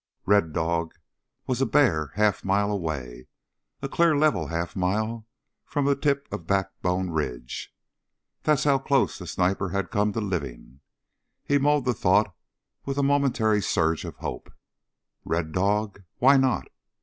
Red Dog was a bare half mile away a clear level half mile from the tip of Backbone Ridge. That's how close the sniper had come to living. He mulled the thought with a momentary surge of hope. Red Dog? Why not?